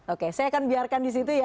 oke saya akan biarkan disitu ya